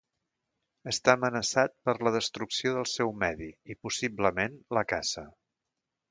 Està amenaçat per la destrucció del seu medi i, possiblement, la caça.